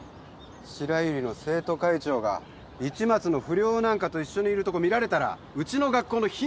白百合の生徒会長が市松の不良なんかと一緒にいるとこ見られたらうちの学校の品格。